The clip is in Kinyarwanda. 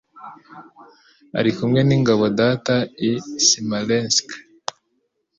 Ari kumwe n'ingabo, Data, i Smolensk.